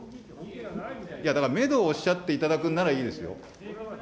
だからメドをおっしゃっていただくんならいいですよ。